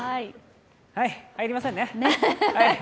はい、入りませんね。